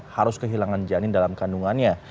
harus kehilangan janin dalam kandungannya